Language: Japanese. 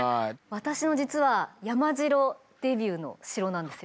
私の実は山城デビューの城なんですよ。